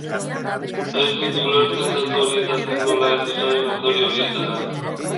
Ez dut ulertzen datu horietatik nola heldu zaren ondorio horietara.